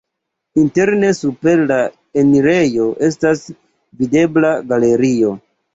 Interne super la enirejo estas videbla galerio.